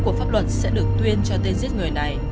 của pháp luật sẽ được tuyên cho tên giết người này